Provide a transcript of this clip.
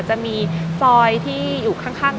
จะมีซอยที่อยู่ข้าง